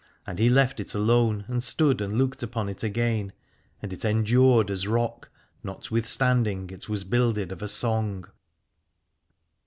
And he left it alone and stood and looked upon it again : and it endured as rock, notwithstanding it was builded of a song.